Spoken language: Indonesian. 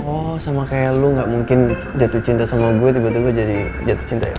oh sama kayak lu gak mungkin jatuh cinta sama gue tiba tiba gue jadi jatuh cinta ya